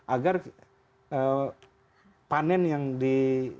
agar panen yang di